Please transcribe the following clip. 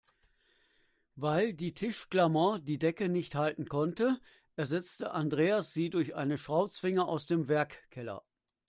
Weil die Tischklammer die Decke nicht halten konnte, ersetzte Andreas sie durch eine Schraubzwinge aus dem Werkkeller.